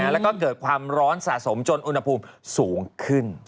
แล้วก็เกิดความร้อนสะสมจนอุณหภูมิสูงขึ้น